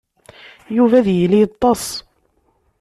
Yuba ad yili yeṭṭes.